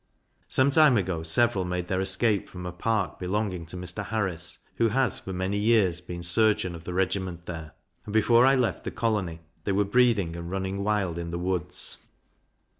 Some time ago several made their escape from a park belonging to Mr. Harris, who has for many years been surgeon of the regiment there, and before I left the colony, they were breeding and running wild in the woods.